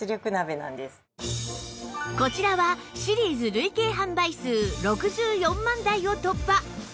こちらはシリーズ累計販売数６４万台を突破！